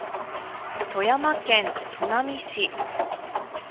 富山県砺波市